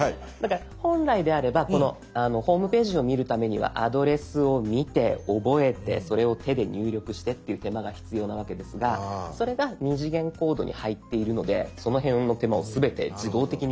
本来であればこのホームページを見るためにはアドレスを見て覚えてそれを手で入力してっていう手間が必要なわけですがそれが２次元コードに入っているのでその辺の手間を全て自動的にやってくれたと。